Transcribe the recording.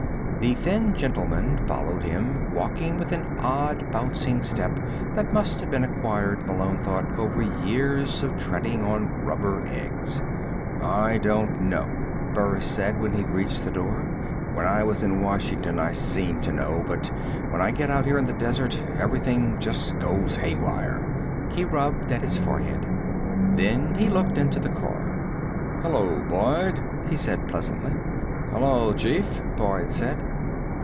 The thin gentleman followed him, walking with an odd bouncing step that must have been acquired, Malone thought, over years of treading on rubber eggs. "I don't know," Burris said when he'd reached the door. "When I was in Washington, I seemed to know but when I get out here in this desert, everything just goes haywire." He rubbed at his forehead. Then he looked into the car. "Hello, Boyd," he said pleasantly. "Hello, chief," Boyd said.